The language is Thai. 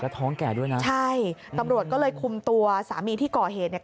ท้องแก่ด้วยนะใช่ตำรวจก็เลยคุมตัวสามีที่ก่อเหตุเนี่ย